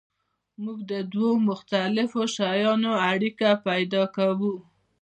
موږ د دوو مختلفو شیانو اړیکه پیدا کوو.